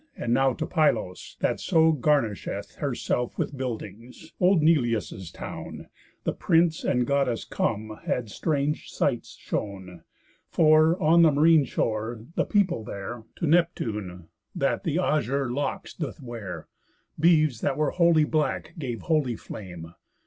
And now to Pylos, that so garnisheth Herself with buildings, old Neleus' town, The prince and Goddess come had strange sights shown, For, on the marine shore, the people there To Neptune, that the azure locks doth wear, Beeves that were wholly black gave holy flame.